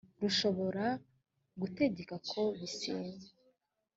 rushobora gutegeka ko bisenywa